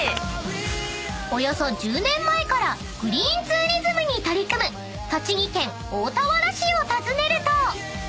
［およそ１０年前からグリーンツーリズムに取り組む栃木県大田原市を訪ねると］